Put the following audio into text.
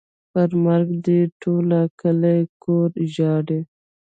پر مرګ دې ټوله کلي کور ژاړي.